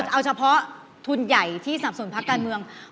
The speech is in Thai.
เอาเฉพาะทุนใหญ่ที่สนับสนพักการเมือง